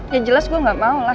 ya jelas gue gak mau lah